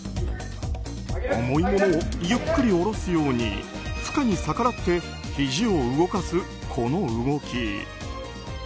重いものをゆっくり下ろすように負荷に逆らってひじを動かす、この動き。